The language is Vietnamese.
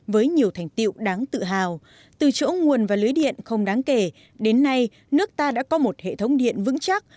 với nhiều thành tiệu đáng tự hào từ chỗ nguồn và lưới điện không đáng kể đến nay nước ta đã có một hệ thống điện vững chắc